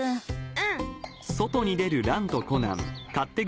うん。